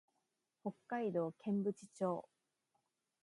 北海道剣淵町